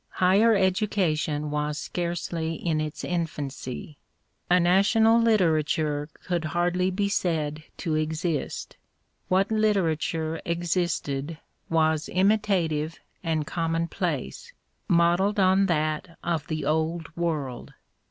Higher education was scarcely in its infancy. A national literature could hardly be said to exist. What literature existed was imitative and com monplace, modelled on that of the Old World.